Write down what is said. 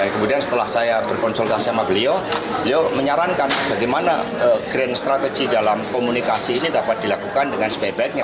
kemudian setelah saya berkonsultasi sama beliau beliau menyarankan bagaimana grand strategy dalam komunikasi ini dapat dilakukan dengan sebaik baiknya